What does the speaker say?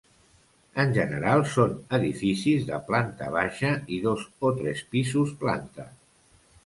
En general, són edificis de planta baixa i dos o tres pisos planta.